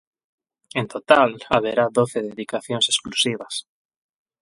En total haberá doce dedicacións exclusivas.